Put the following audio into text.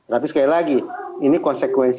tapi sekali lagi ini konsekuensi